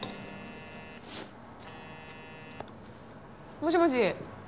もしもし。